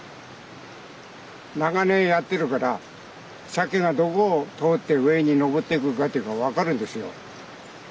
長年やってるからシャケがどこを通って上にのぼっていくかって分かるんですよ。